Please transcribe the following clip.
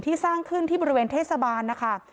สร้างขึ้นที่บริเวณเทศบาลนะคะ